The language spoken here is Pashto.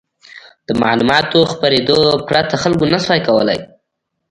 د معلوماتو خپرېدو پرته خلکو نه شوای کولای.